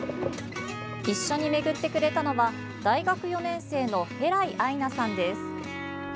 一緒に巡ってくれたのは大学４年生の戸來藍那さんです。